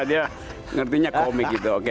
dia mengertinya komik